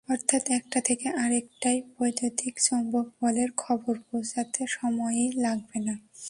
অর্থাৎ একটা থেকে আরেকটায় বৈদ্যুতিক চৌম্বক বলের খবর পৌঁছাতে সময়ই লাগবে না।